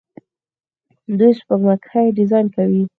دوی سپوږمکۍ ډیزاین کوي.